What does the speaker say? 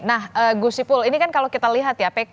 nah gus sipul ini kan kalau kita lihat ya pkb dan juga